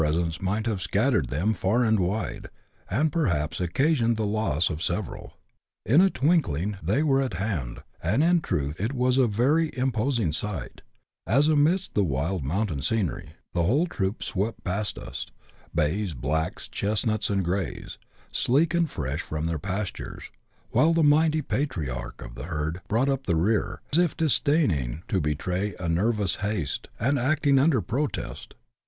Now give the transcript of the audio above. serK!e luif^jjt have scattered them far and wide, and jx'rhniKs occasioned the loss of several. In a twinklirifr they were at hand; and in truth it was a very im posing si^ht, as, amidst that wild mountain scenery, the whole troo[) swept past us, bays, blacks, chesnuts, and j^reys, sleek and fresh from their pastures, while the mighty patriarch of the herd broug ht uj) the rear, as if disdaining to betray a nervous haste, and acling " under prot(^st."